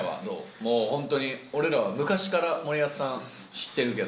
もう本当に、俺らは昔から森保さん知ってるけど。